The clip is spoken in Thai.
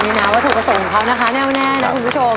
มีนะว่าถือกส่งเขานะคะแน่แว้แน่นะคุณผู้ชม